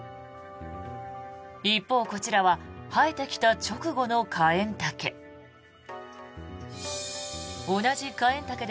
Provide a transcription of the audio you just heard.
一方、こちらは生えてきた直後のカエンタケ。